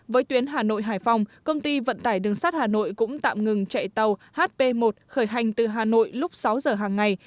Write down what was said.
với tuyến hà nội hải phòng công ty vận tải đường sắt hà nội cũng tạm ngừng chạy tàu hp một khởi hành từ hà nội lúc sáu giờ hàng ngày